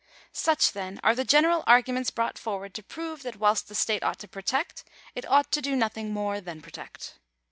Such, then, are the general arguments brought forward to prove that whilst the state ought to protect, it ought to do nothing more than protect.